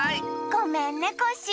ごめんねコッシー。